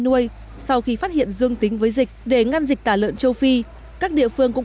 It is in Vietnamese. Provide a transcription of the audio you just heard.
nuôi sau khi phát hiện dương tính với dịch để ngăn dịch tả lợn châu phi các địa phương cũng